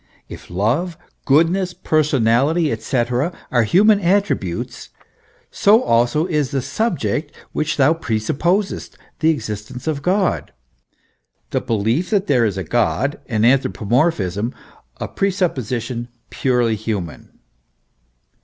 If love, goodness, per sonality, &c., are human attributes, so also is the subject which thou pre supposest, the existence of God, the belief that there is a God, an anthropomorphism a pre supposition purely human.